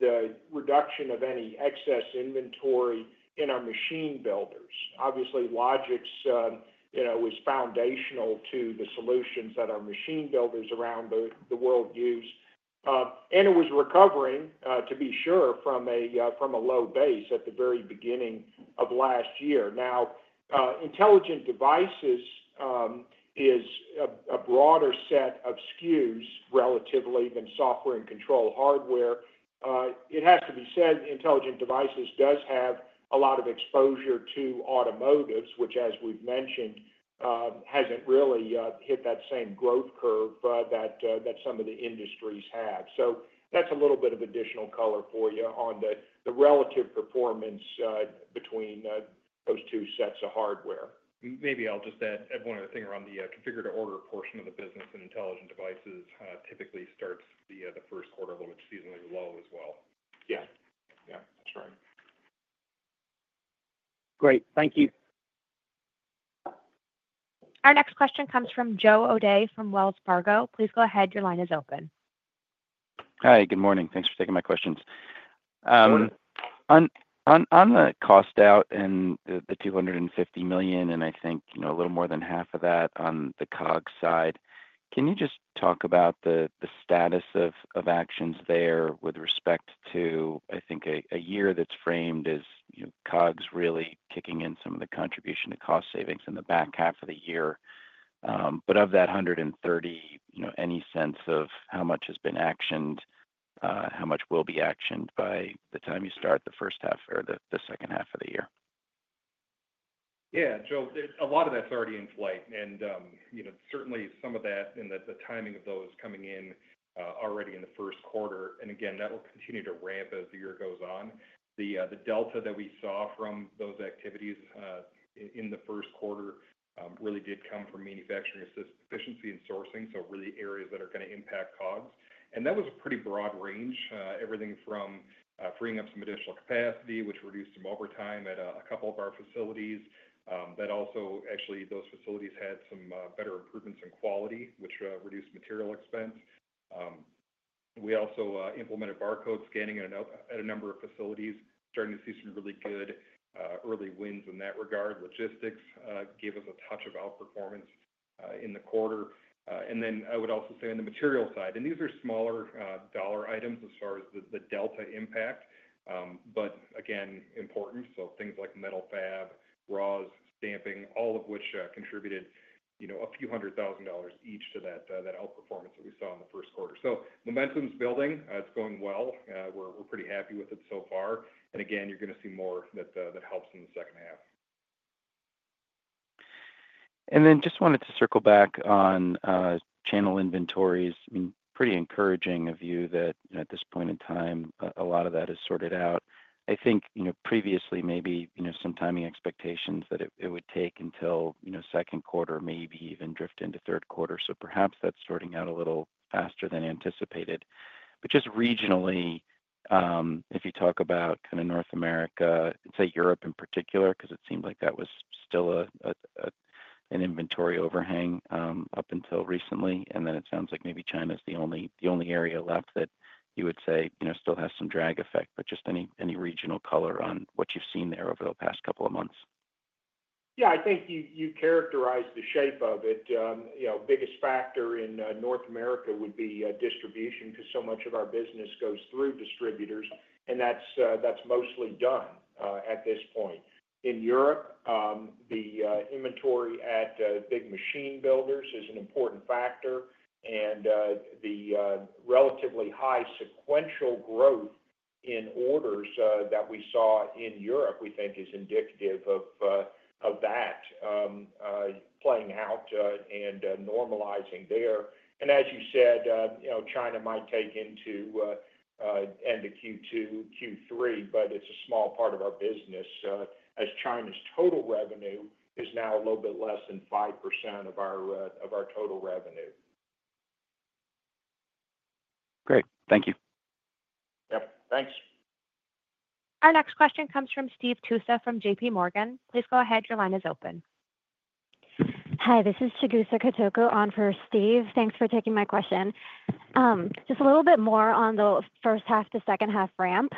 Speaker 3: the reduction of any excess inventory in our machine builders. Obviously, Logix was foundational to the solutions that our machine builders around the world use, and it was recovering, to be sure, from a low base at the very beginning of last year. Now, Intelligent Devices is a broader set of SKUs relatively than Software and Control hardware. It has to be said, Intelligent Devices does have a lot of exposure to automotives, which, as we've mentioned, hasn't really hit that same growth curve that some of the industries have, so that's a little bit of additional color for you on the relative performance between those two sets of hardware.
Speaker 4: Maybe I'll just add one other thing around the configured order portion of the business. Intelligent Devices typically starts the first quarter a little bit seasonally low as well.
Speaker 3: Yeah. Yeah. That's right.
Speaker 8: Great. Thank you.
Speaker 1: Our next question comes from Joe O'Dea from Wells Fargo. Please go ahead. Your line is open.
Speaker 9: Hi. Good morning. Thanks for taking my questions. On the cost out and the $250 million, and I think a little more than half of that on the COGS side, can you just talk about the status of actions there with respect to, I think, a year that's framed as COGS really kicking in some of the contribution to cost savings in the back half of the year? But of that $130 million, any sense of how much has been actioned, how much will be actioned by the time you start the first half or the second half of the year?
Speaker 4: Yeah. Joe, a lot of that's already in play. And certainly, some of that, and the timing of those coming in already in the first quarter. And again, that will continue to ramp as the year goes on. The delta that we saw from those activities in the first quarter really did come from manufacturing efficiency and sourcing, so really areas that are going to impact COGS. And that was a pretty broad range, everything from freeing up some additional capacity, which reduced some overtime at a couple of our facilities. That also, actually, those facilities had some better improvements in quality, which reduced material expense. We also implemented barcode scanning at a number of facilities. Starting to see some really good early wins in that regard. Logistics gave us a touch of outperformance in the quarter. Then I would also say on the material side, and these are smaller dollar items as far as the delta impact, but again, important. So things like metal fab, raws, stamping, all of which contributed a few hundred thousand dollars each to that outperformance that we saw in the first quarter. So momentum's building. It's going well. We're pretty happy with it so far. And again, you're going to see more that helps in the second half.
Speaker 9: And then just wanted to circle back on channel inventories. I mean, pretty encouraging of you that at this point in time, a lot of that is sorted out. I think previously, maybe some timing expectations that it would take until second quarter, maybe even drift into third quarter. So perhaps that's sorting out a little faster than anticipated. But just regionally, if you talk about kind of North America, say Europe in particular, because it seemed like that was still an inventory overhang up until recently. And then it sounds like maybe China is the only area left that you would say still has some drag effect. But just any regional color on what you've seen there over the past couple of months?
Speaker 3: Yeah. I think you characterized the shape of it. Biggest factor in North America would be distribution because so much of our business goes through distributors, and that's mostly done at this point. In Europe, the inventory at big machine builders is an important factor. And the relatively high sequential growth in orders that we saw in Europe, we think, is indicative of that playing out and normalizing there. And as you said, China might take into end of Q2, Q3, but it's a small part of our business as China's total revenue is now a little bit less than 5% of our total revenue.
Speaker 9: Great. Thank you.
Speaker 3: Yep. Thanks.
Speaker 1: Our next question comes from Steve Tusa from JPMorgan. Please go ahead. Your line is open.
Speaker 10: Hi. This is Chigusa Katoku on for Steve. Thanks for taking my question. Just a little bit more on the first half to second half ramp.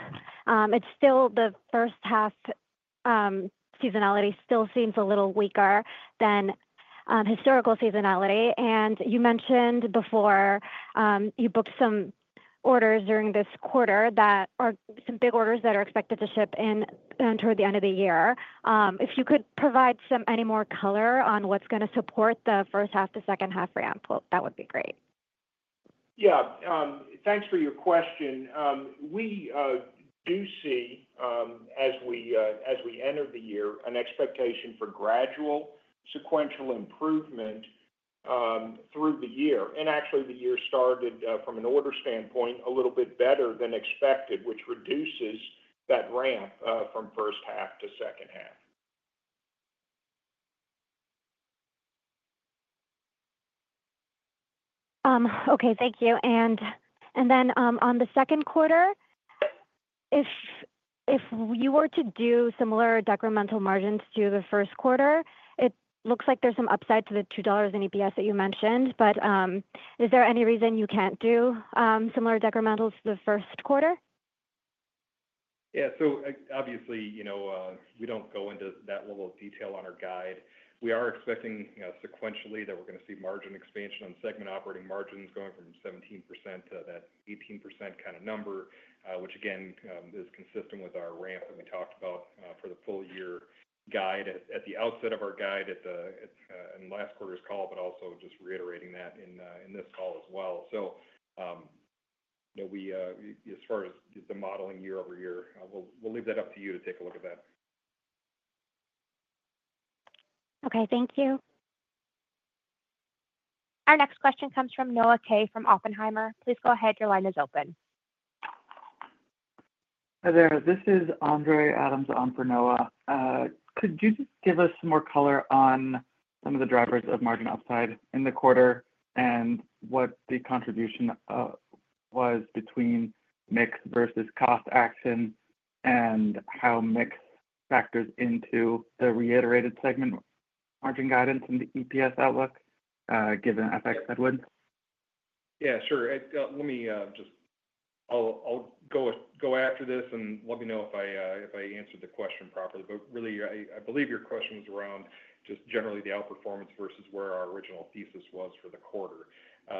Speaker 10: It's still the first half seasonality still seems a little weaker than historical seasonality. And you mentioned before you booked some orders during this quarter that are some big orders that are expected to ship in toward the end of the year. If you could provide any more color on what's going to support the first half to second half ramp, that would be great.
Speaker 4: Yeah. Thanks for your question. We do see, as we enter the year, an expectation for gradual sequential improvement through the year. And actually, the year started from an order standpoint a little bit better than expected, which reduces that ramp from first half to second half.
Speaker 10: Okay. Thank you. And then on the second quarter, if you were to do similar decremental margins to the first quarter, it looks like there's some upside to the $2.00 in EPS that you mentioned. But is there any reason you can't do similar decrementals to the first quarter?
Speaker 4: Yeah. So obviously, we don't go into that level of detail on our guide. We are expecting sequentially that we're going to see margin expansion on segment operating margins going from 17% to that 18% kind of number, which again is consistent with our ramp that we talked about for the full year guide at the outset of our guide in last quarter's call, but also just reiterating that in this call as well. So as far as the modeling year-over-year, we'll leave that up to you to take a look at that.
Speaker 10: Okay. Thank you.
Speaker 1: Our next question comes from Noah Kaye from Oppenheimer. Please go ahead. Your line is open.
Speaker 11: Hi there. This is Andre Adams on for Noah. Could you just give us some more color on some of the drivers of margin upside in the quarter and what the contribution was between mix versus cost action and how mix factors into the reiterated segment margin guidance and the EPS outlook given FX headwinds?
Speaker 4: Yeah. Sure. Let me just. I'll go after this and let me know if I answered the question properly. But really, I believe your question was around just generally the outperformance versus where our original thesis was for the quarter.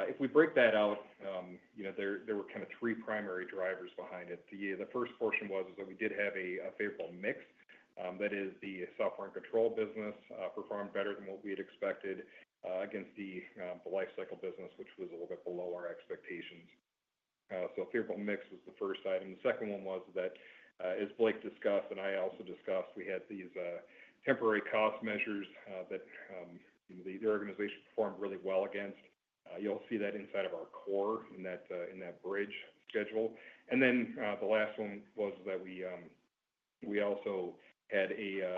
Speaker 4: If we break that out, there were kind of three primary drivers behind it. The first portion was that we did have a favorable mix. That is, the Software and Control business performed better than what we had expected against the life cycle business, which was a little bit below our expectations. So favorable mix was the first item. The second one was that, as Blake discussed and I also discussed, we had these temporary cost measures that the organization performed really well against. You'll see that inside of our core in that bridge schedule. And then the last one was that we also had a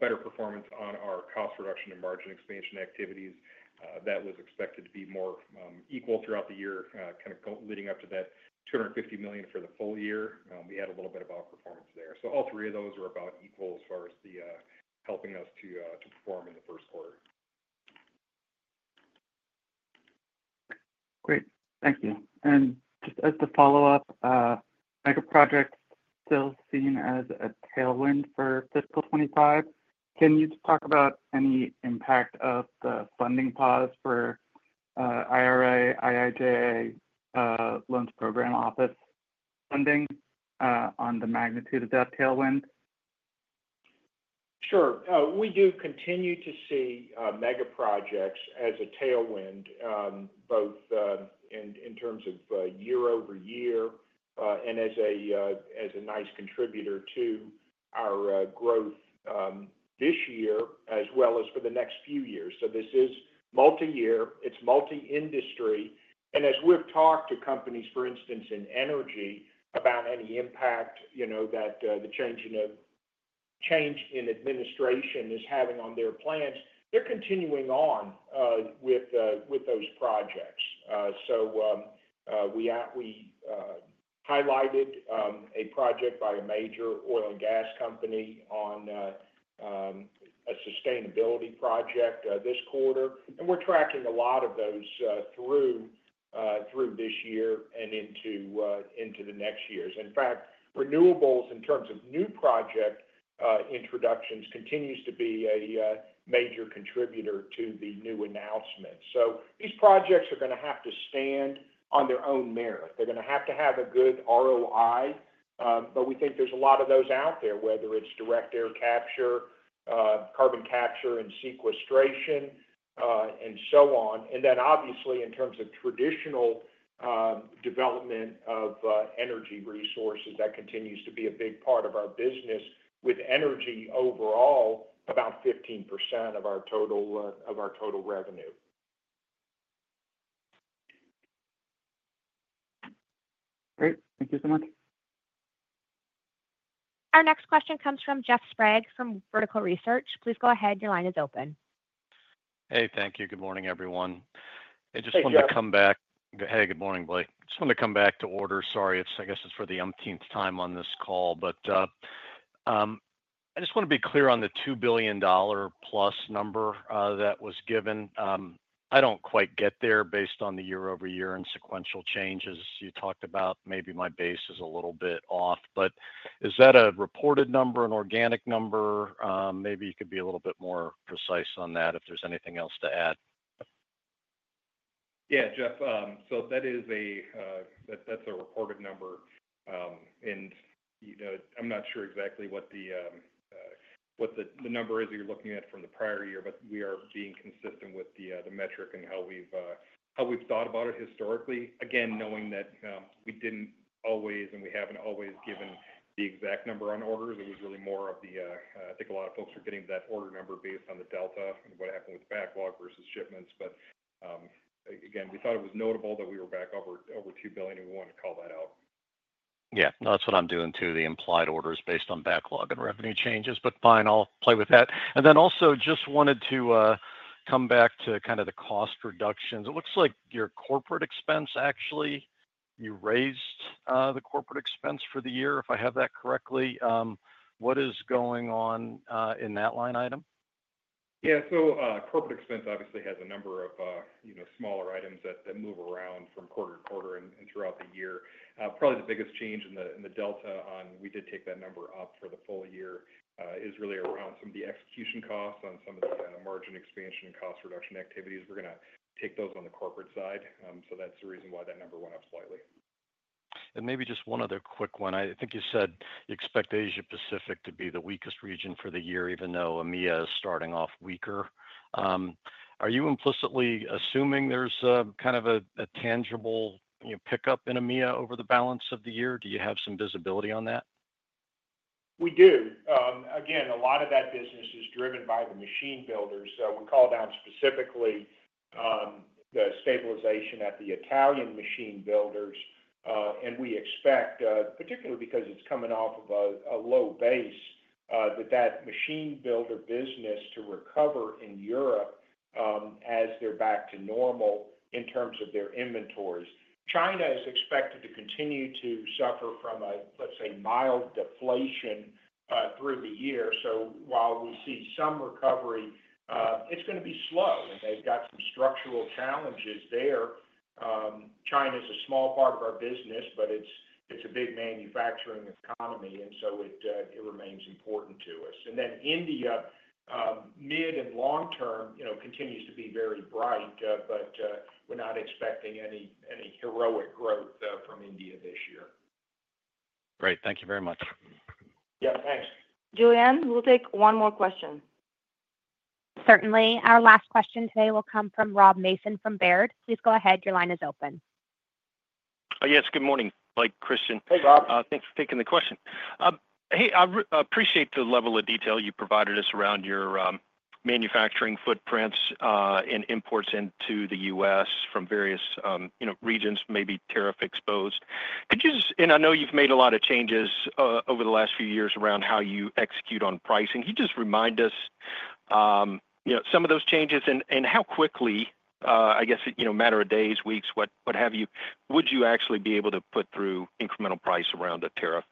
Speaker 4: better performance on our cost reduction and margin expansion activities. That was expected to be more equal throughout the year, kind of leading up to that $250 million for the full year. We had a little bit of outperformance there. So all three of those are about equal as far as helping us to perform in the first quarter.
Speaker 11: Great. Thank you. And just as a follow-up, megaprojects still seen as a tailwind for fiscal 2025. Can you talk about any impact of the funding pause for IRA, IIJA, Loans Program Office funding on the magnitude of that tailwind?
Speaker 3: Sure. We do continue to see megaprojects as a tailwind, both in terms of year-over-year and as a nice contributor to our growth this year as well as for the next few years. So this is multi-year. It's multi-industry. And as we've talked to companies, for instance, in energy about any impact that the change in administration is having on their plans, they're continuing on with those projects. So we highlighted a project by a major oil and gas company on a sustainability project this quarter. And we're tracking a lot of those through this year and into the next years. In fact, renewables in terms of new project introductions continues to be a major contributor to the new announcements. So these projects are going to have to stand on their own merit. They're going to have to have a good ROI. But we think there's a lot of those out there, whether it's direct air capture, carbon capture, and sequestration, and so on. And then obviously, in terms of traditional development of energy resources, that continues to be a big part of our business with energy overall, about 15% of our total revenue.
Speaker 1: Great. Thank you so much. Our next question comes from Jeff Sprague from Vertical Research. Please go ahead. Your line is open.
Speaker 12: Hey. Thank you. Good morning, everyone. I just wanted to come back. Hey. Good morning, Blake. Just wanted to come back to order. Sorry. I guess it's for the umpteenth time on this call. But I just want to be clear on the $2 billion plus number that was given. I don't quite get there based on the year-over-year and sequential changes you talked about. Maybe my base is a little bit off. But is that a reported number, an organic number? Maybe you could be a little bit more precise on that if there's anything else to add.
Speaker 4: Yeah. Jeff, so that is a that's a reported number. And I'm not sure exactly what the number is that you're looking at from the prior year, but we are being consistent with the metric and how we've thought about it historically. Again, knowing that we didn't always and we haven't always given the exact number on orders. It was really more of the I think a lot of folks were getting that order number based on the delta and what happened with backlog versus shipments. But again, we thought it was notable that we were back over 2 billion, and we wanted to call that out.
Speaker 12: Yeah. That's what I'm doing too, the implied orders based on backlog and revenue changes. But fine, I'll play with that, and then also just wanted to come back to kind of the cost reductions. It looks like your corporate expense, actually, you raised the corporate expense for the year, if I have that correctly. What is going on in that line item?
Speaker 4: Yeah, so corporate expense obviously has a number of smaller items that move around from quarter to quarter and throughout the year. Probably the biggest change in the delta on we did take that number up for the full year is really around some of the execution costs on some of the margin expansion and cost reduction activities. We're going to take those on the corporate side, so that's the reason why that number went up slightly,
Speaker 12: And maybe just one other quick one. I think you said you expect Asia-Pacific to be the weakest region for the year, even though EMEA is starting off weaker. Are you implicitly assuming there's kind of a tangible pickup in EMEA over the balance of the year? Do you have some visibility on that?
Speaker 3: We do. Again, a lot of that business is driven by the machine builders. We called out specifically the stabilization at the Italian machine builders. And we expect, particularly because it's coming off of a low base, that that machine builder business to recover in Europe as they're back to normal in terms of their inventories. China is expected to continue to suffer from a, let's say, mild deflation through the year. So while we see some recovery, it's going to be slow. And they've got some structural challenges there. China is a small part of our business, but it's a big manufacturing economy, and so it remains important to us, and then India, mid and long term, continues to be very bright, but we're not expecting any heroic growth from India this year.
Speaker 12: Great. Thank you very much.
Speaker 3: Yeah. Thanks.
Speaker 2: Julianne, we'll take one more question.
Speaker 1: Certainly. Our last question today will come from Rob Mason from Baird. Please go ahead. Your line is open.
Speaker 13: Yes. Good morning, Blake, Christian.
Speaker 3: Hey, Rob.
Speaker 13: Thanks for taking the question. Hey, I appreciate the level of detail you provided us around your manufacturing footprints and imports into the U.S. from various regions, maybe tariff exposed. And I know you've made a lot of changes over the last few years around how you execute on pricing. Can you just remind us some of those changes and how quickly, I guess, a matter of days, weeks, what have you, would you actually be able to put through incremental price around the tariff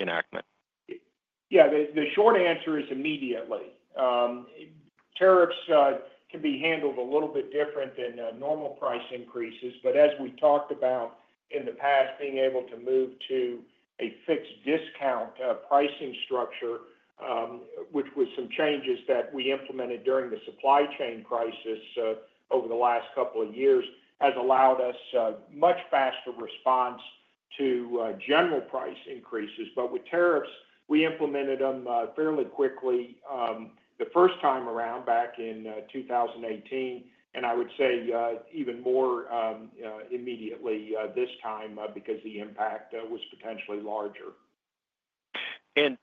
Speaker 13: enactment?
Speaker 3: Yeah. The short answer is immediately. Tariffs can be handled a little bit different than normal price increases. But as we talked about in the past, being able to move to a fixed discount pricing structure, which was some changes that we implemented during the supply chain crisis over the last couple of years, has allowed us a much faster response to general price increases. But with tariffs, we implemented them fairly quickly the first time around back in 2018. And I would say even more immediately this time because the impact was potentially larger.
Speaker 13: And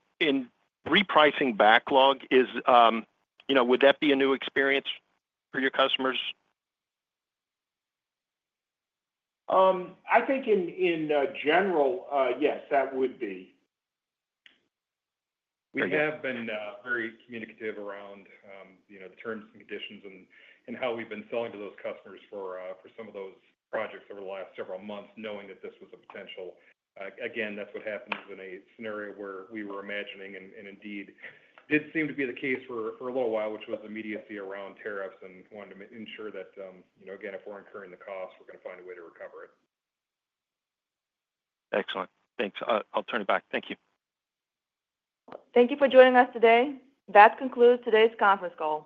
Speaker 13: repricing backlog, would that be a new experience for your customers?
Speaker 3: I think in general, yes, that would be.
Speaker 4: We have been very communicative around the terms and conditions and how we've been selling to those customers for some of those projects over the last several months, knowing that this was a potential. Again, that's what happens in a scenario where we were imagining and indeed did seem to be the case for a little while, which was immediacy around tariffs and wanted to ensure that, again, if we're incurring the cost, we're going to find a way to recover it.
Speaker 13: Excellent. Thanks. I'll turn it back. Thank you.
Speaker 1: Thank you for joining us today. That concludes today's conference call.